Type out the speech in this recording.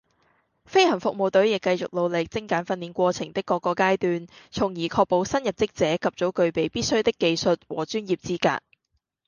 飛行服務隊亦繼續努力精簡訓練過程的各個階段，從而確保新入職者及早具備必需的技術和專業資格